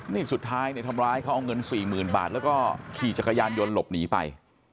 นี่สุดท้ายเนี่ยทำร้ายเขาเอาเงิน๔๐๐๐บาทแล้วก็ขี่จักรยานยนต์หลบหนีไป